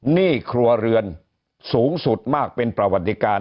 หนี้ครัวเรือนสูงสุดมากเป็นประวัติการ